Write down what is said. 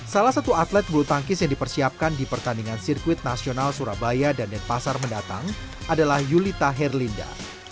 salah satu atlet bulu tangkis yang dipersiapkan di pertandingan sirkuit nasional surabaya dan denpasar mendatang adalah yulita herlinda